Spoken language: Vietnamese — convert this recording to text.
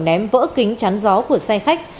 ném vỡ kính chắn gió của xe khách